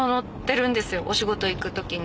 お仕事行くときに。